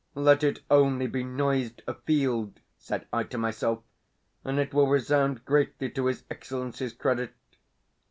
"Let it only be noised afield," said I to myself, and it will resound greatly to his Excellency's credit.